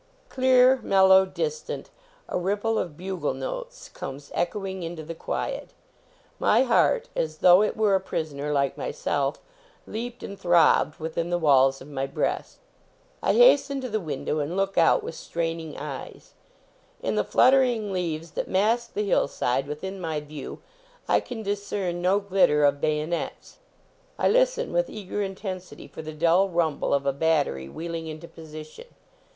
Clear, mellow, distant, a ripple of bugle notes comes echoing into the quiet. My heart, as though it were a prisoner like my self, leaped and throbbed within the walls of my breast. I hasten to the window and look 130 THE BATTLE OF ARDMORE out with straining eyes. In the fluttering leaves that mask the hillside within my view I can discern no glitter of bayonets. I listen with eager intensity for the dull rumble of a battery wheeling into position.